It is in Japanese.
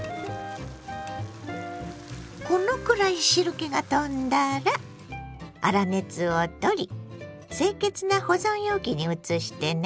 このくらい汁けが飛んだら粗熱を取り清潔な保存容器に移してね。